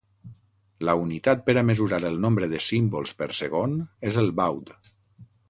La unitat per a mesurar el nombre de símbols per segon és el Baud.